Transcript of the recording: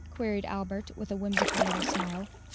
queried Albert, with a whimsical little smile.